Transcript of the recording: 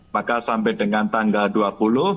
maka sampai dengan tanggal dua puluh